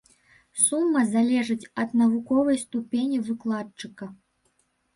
Сума залежыць ад навуковай ступені выкладчыка.